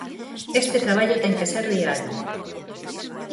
Este traballo ten que ser diario.